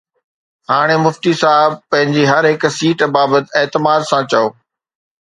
هاڻي مفتي صاحب پنهنجي هر هڪ سيٽ بابت اعتماد سان چئو